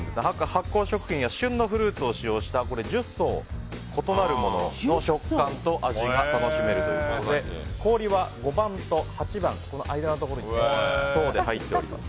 発酵食品や旬のフルーツを使用した１０層異なる食感と味が楽しめるということで氷は５番と８番間のところに層で入っています。